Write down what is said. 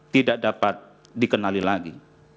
tidak dapat dikenali lagi